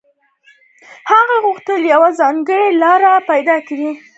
هغه غوښتل يوه ځانګړې لاره پيدا کړي.